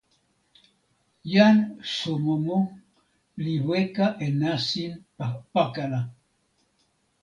jan Somomo li weka e nasin pakala.